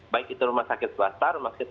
baik itu rumah sakit swasta rumah sakit